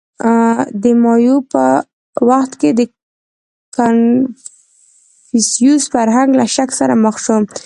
• د مایو په وخت کې د کنفوسیوس فرهنګ له شک سره مخ شو.